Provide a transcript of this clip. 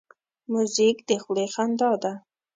موزیک د خولې خندا ده.